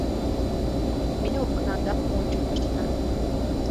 Ме окнадам ончыктышна.